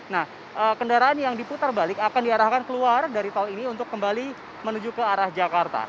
nah kendaraan yang diputar balik akan diarahkan keluar dari tol ini untuk kembali menuju ke arah jakarta